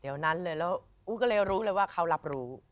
เดี๋ยวนั้นเลยแล้วอู๋ก็เลยรู้เลยว่าเขารับรู้